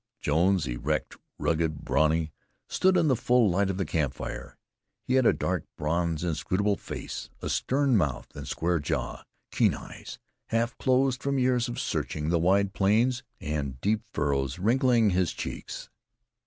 Jones, erect, rugged, brawny, stood in the full light of the campfire. He had a dark, bronzed, inscrutable face; a stern mouth and square jaw, keen eyes, half closed from years of searching the wide plains; and deep furrows wrinkling his cheeks.